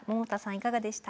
いかがでした？